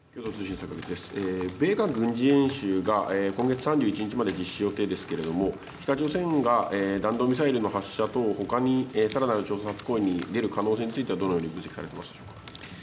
米韓軍事演習が今月３１日まで実施予定ですけれども、北朝鮮が弾道ミサイルの発射等、ほかにさらなる挑発行為に出る可能性については、どのように分析されてますでしょうか。